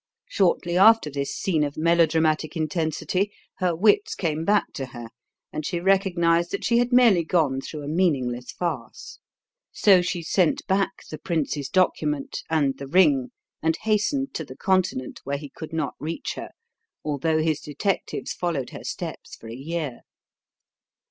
Shortly after this scene of melodramatic intensity her wits came back to her, and she recognized that she had merely gone through a meaningless farce. So she sent back the prince's document and the ring and hastened to the Continent, where he could not reach her, although his detectives followed her steps for a year.